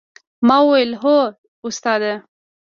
ما وويل هو استاده.